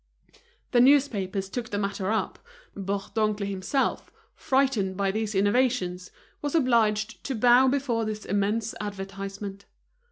The newspapers took the matter up, Bourdoncle himself, frightened by these innovations, was obliged to bow before this immense advertisement.